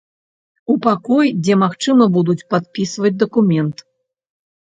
У пакой дзе магчыма будуць падпісваць дакумент.